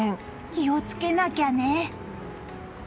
気をつけなきゃね。